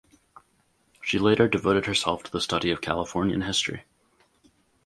She later devoted herself to the study of Californian history.